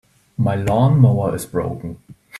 My lawn-mower is broken.